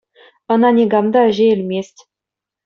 Ӑна никам та ӗҫе илмест.